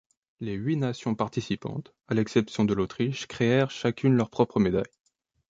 Les huit nations participantes, à l’exception de l’Autriche, créèrent chacune leur propre médaille.